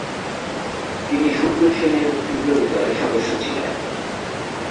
তিনি সূর্য সেন এর বিপ্লবী দলের সদস্য ছিলেন।